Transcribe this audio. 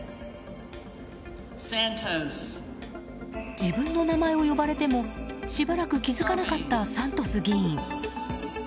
自分の名前を呼ばれてもしばらく気づかなかったサントス議員。